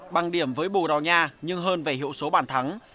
băng điểm với bồ đầu nha nhưng hơn về hiệu số bản thắng